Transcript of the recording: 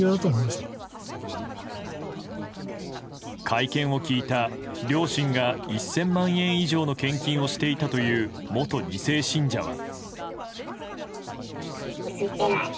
会見を聞いた両親が１０００万円以上の献金をしていたという元２世信者は。